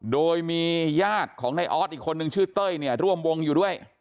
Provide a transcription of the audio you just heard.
โดยมีญาติของในออสอีกคนนึงชื่อเต้ยเนี่ยร่วมวงอยู่ด้วย